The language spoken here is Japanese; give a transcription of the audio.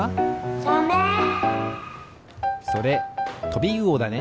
サメ！それトビウオだね。